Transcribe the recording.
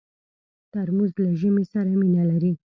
ترموز له ژمي سره مینه لري.